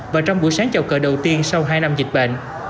và trong buổi sáng chầu cờ đầu tiên sau hai năm dịch bệnh